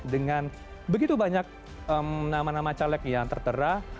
dengan begitu banyak nama nama caleg yang tertera